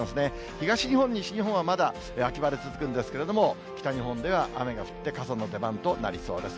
東日本、西日本はまだ秋晴れ続くんですけれども、北日本では雨が降って傘の出番となりそうです。